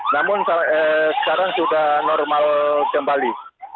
namun sekarang sudah normal kembali